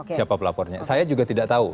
siapa pelapornya saya juga tidak tahu